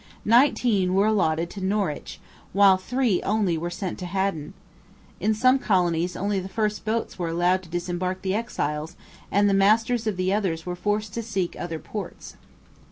Nineteen were allotted to Norwich, while three only were sent to Haddon. In some colonies only the first boats were allowed to disembark the exiles, and the masters of the others were forced to seek other ports.